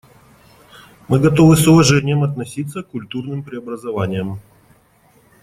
Мы готовы с уважением относиться к культурным преобразованиям.